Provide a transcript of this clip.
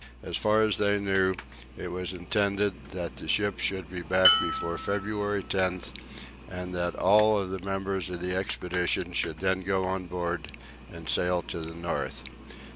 As far as they knew, it was intended that the ship should be back before February 10, and that all the members of the expedition should then go on board and sail to the north.